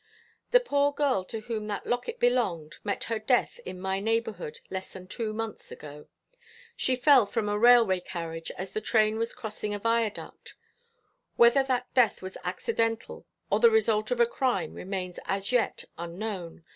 "The poor girl to whom that locket belonged met her death in my neighbourhood less than two months ago. She fell from a railway carriage as the train was crossing a viaduct. Whether that death was accidental or the result of a crime remains as yet unknown.